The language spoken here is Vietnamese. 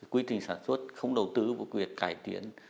quy trình sản xuất không đầu tư vào việc cải tiến